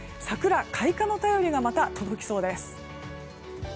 桜開花の便りがまた届きそうです。